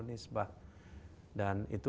nispah dan itu